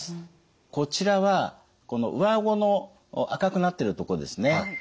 こちらはこの上顎の赤くなってるとこですね。